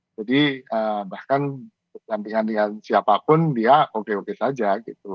jadi bahkan bergantian dengan siapapun dia oke oke saja gitu